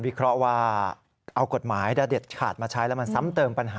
เคราะห์ว่าเอากฎหมายเด็ดขาดมาใช้แล้วมันซ้ำเติมปัญหา